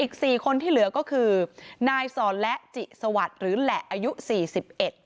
สี่คนที่เหลือก็คือนายสอนและจิสวัสดิ์หรือแหละอายุสี่สิบเอ็ด